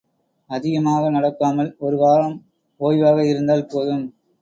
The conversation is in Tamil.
அதிகமாக நடக்காமல் ஒரு வாரம் ஓய்வாக இருந்தால் போதும்.